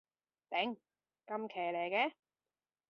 頂，咁騎呢嘅